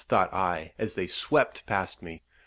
thought I, as they swept past me.